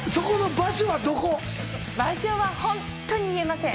場所はホンットに言えません。